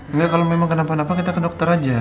enggak kalau memang kenapa napa kita ke dokter aja